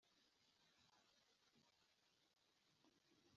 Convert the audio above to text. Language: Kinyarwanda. Ntimukwiriye gusubiramo ibyo abandi banditse kuko ibyo birabujijwe